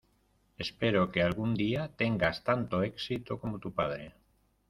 Espero que algún día tengas tanto éxito como tu padre.